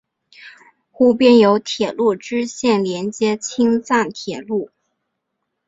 湖边有铁路支线连接青藏铁路。